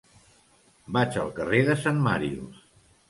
Vaig al carrer de Sant Màrius.